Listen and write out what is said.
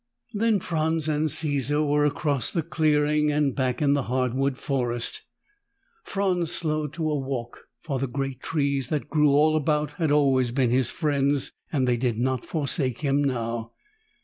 Then Franz and Caesar were across the clearing and back in the hardwood forest. Franz slowed to a walk, for the great trees that grew all about had always been his friends and they did not forsake him now.